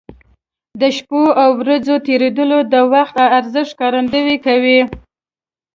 د شپو او ورځو تېرېدل د وخت د ارزښت ښکارندوي کوي.